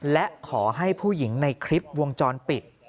และขอให้ผู้หญิงในคลิปวงจรปิด